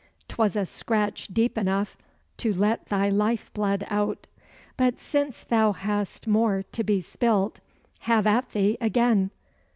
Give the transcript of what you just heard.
"'Twas a scratch deep enough to let thy life blood out. But since thou hast more to be spilt, have at thee again!"